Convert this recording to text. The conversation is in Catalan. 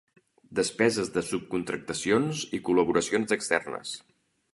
Despeses de subcontractacions i col·laboracions externes.